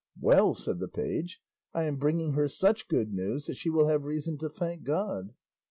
"Well," said the page, "I am bringing her such good news that she will have reason to thank God."